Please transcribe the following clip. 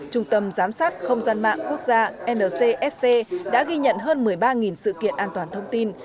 trung tâm giám sát không gian mạng quốc gia ncsc đã ghi nhận hơn một mươi ba sự kiện an toàn thông tin